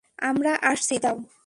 আমরা আসছি যাও!